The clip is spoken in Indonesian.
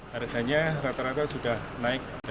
harganya rata rata sudah naik enam sepuluh kali